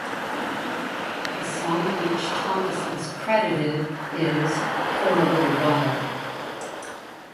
The song on which Thomas is credited is "For a Little While".